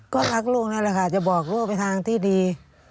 ก็รักลูกนั่นแหละค่ะจะบอกลูกไปทางที่ดี